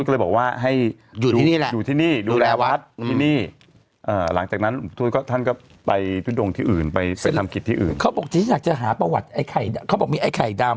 แล้วหยุดเลยบอกว่าให้อยู่ที่นี่ที่นี่